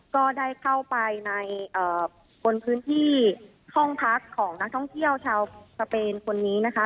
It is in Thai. ก็ได้เข้าไปในบนพื้นที่ห้องพักของนักท่องเที่ยวชาวสเปนคนนี้นะคะ